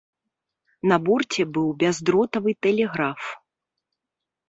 На борце быў бяздротавы тэлеграф.